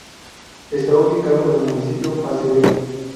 Está ubicado en el Municipio Acevedo.